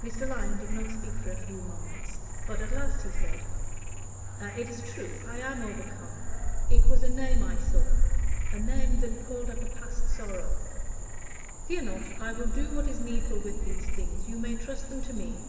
Mr. Lyon did not speak for a few moments, but at last he said "It is true. I am overcome. It was a name I saw a name that called up a past sorrow. Fear not; I will do what is needful with these things. You may trust them to me."